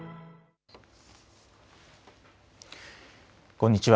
こんにちは。